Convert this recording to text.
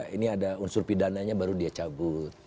ini ada unsur pidananya baru dia cabut